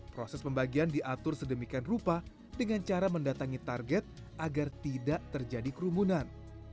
proses pembagian diatur sedemikian rupa dengan cara mendatangi target agar tidak terjadi kerumunan